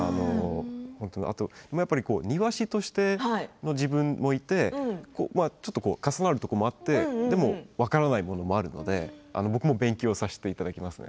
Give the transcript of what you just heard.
あと庭師としての自分もいてちょっと重なるところもあってでも分からないものもあるので僕も勉強させていただけますね。